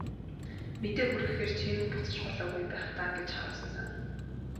Мэдээ хүргэхээр чи минь буцаж болоогүй юм байх даа гэж харуусан санана.